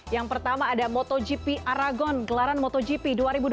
yang pertama ada motogp aragon gelaran motogp dua ribu dua puluh